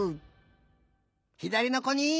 ひだりのこに！